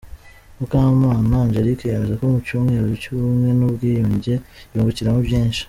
Mukakamana Angelique yemeza ko mu cyumweru cy’ubumwe n’ubwiyunge yungukiramo byinshi.